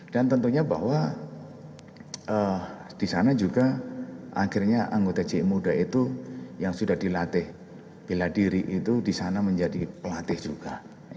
dan tentunya bahwa disana juga akhirnya anggota ji muda itu yang sudah dilatih bila diri itu disana menjadi pelatih juga